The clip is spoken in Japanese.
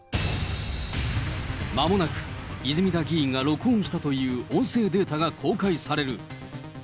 まもなく、泉田議員が録音したという音声データが公開される。